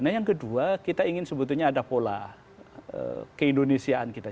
nah yang kedua kita ingin sebetulnya ada pola keindonesiaan kita